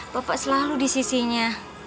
bapak selalu di sisinya